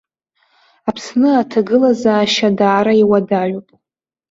Аԥсны аҭагылазаашьа даара иуадаҩуп.